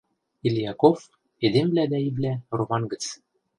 Ильяков, «Эдемвлӓ дӓ ивлӓ» роман гӹц.